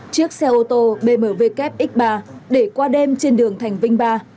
chiếc xe ô tô bmw x ba để qua đêm trên đường thành vinh ba